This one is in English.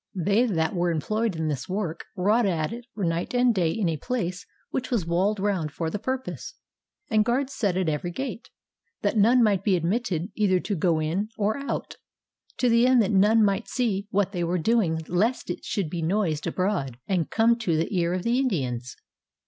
They that were employed in this work wrought at it night and day in a place which was walled round for the purpose, and guards set at every gate, that none might be admitted either to go in or out, to the end that none might see what they were doing lest it should be noised abroad and come to the ears of the Indians.